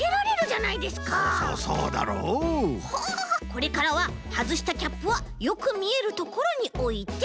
これからははずしたキャップはよくみえるところにおいて。